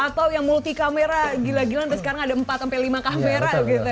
atau yang multi camera gila gilaan terus sekarang ada empat lima kamera gitu ya